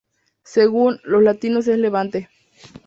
Según "Los latinos en Levante.